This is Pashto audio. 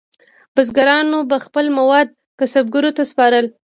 بزګرانو به خپل مواد کسبګرو ته سپارل.